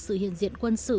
sự hiện diện quân sự